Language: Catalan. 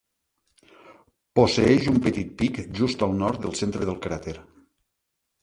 Posseeix un petit pic just al nord del centre del cràter.